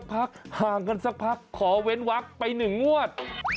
พวกเขาช่วงนี้ต้องห่างกันสักพักขอเว้นวักไปหนึ่งงวด